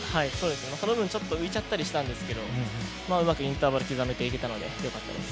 その分、ちょっと浮いちゃったりしたんですけど、うまくインターバル刻めていけたのでよかったです。